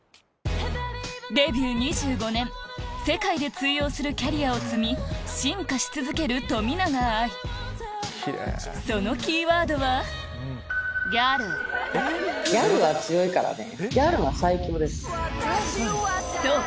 デビュー２５年世界で通用するキャリアを積み進化し続ける冨永愛そのキーワードはそう！